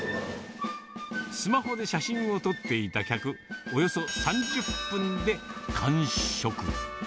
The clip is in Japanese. スマホで写真を撮っていた客、およそ３０分で完食。